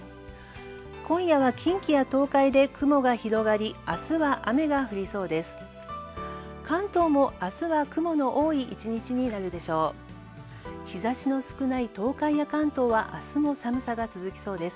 今夜は、近畿や東海で雲が広がり明日は雨が降りそうです。